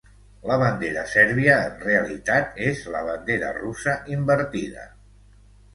La bandera sèrbia, en realitat, és la bandera russa invertida.